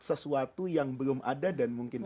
sesuatu yang belum ada dan mungkin